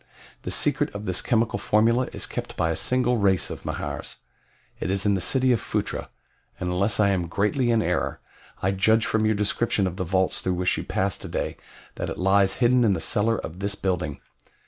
The secret of this chemical formula is kept by a single race of Mahars. It is in the city of Phutra, and unless I am greatly in error I judge from your description of the vaults through which you passed today that it lies hidden in the cellar of this building.